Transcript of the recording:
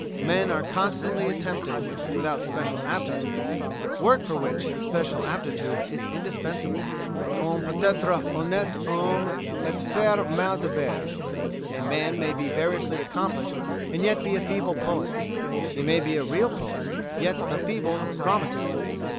"Men are constantly attempting, without special aptitude, work for which special aptitude is indispensable. 'On peut être honnête homme et faire mal des vers.' A man may be variously accomplished and yet be a feeble poet. He may be a real poet, yet a feeble dramatist.